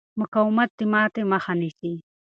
مقاومت د ماتې مخه نیسي.